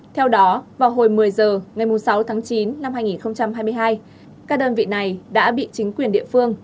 theo đó vào hồi một mươi h ngày sáu tháng chín năm hai nghìn hai mươi hai các đơn vị này đã bị chính quyền địa phương